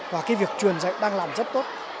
và cái việc truyền dạy đang làm rất tốt